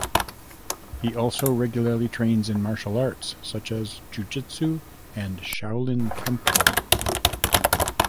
He also regularly trains in martial arts such as jiu-jitsu and Shaolin Kempo.